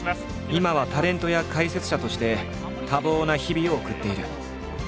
今はタレントや解説者として多忙な日々を送っている。